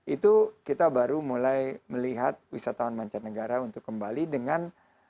itu kita baru mulai melihat wisatawan mancanegara untuk kembali dengan